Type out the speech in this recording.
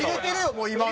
もう今の。